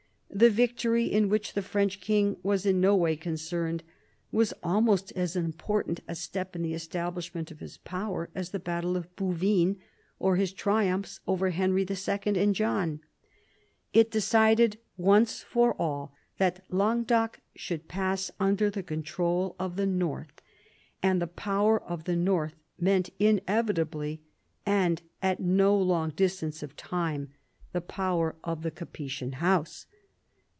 The victory, in which the French king was in no way concerned, was almost as important a step in the establishment of his power as the battle of Bouvines or his triumphs over Henry II. and John. It decided once for all that Languedoc should pass under the control of the north; and the power of the north meant inevitably, and at no long distance of time, the power of the Capetian house.